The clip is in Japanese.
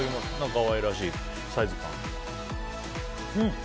可愛らしいサイズ感。